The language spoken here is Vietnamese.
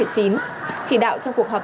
chỉ đạo trong cuộc họp